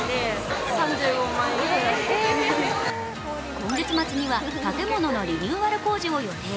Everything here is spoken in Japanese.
今月末には建物のリニューアル工事を予定。